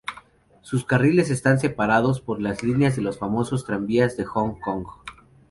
Sus carriles están separados por las líneas de los famosos tranvías de Hong Kong.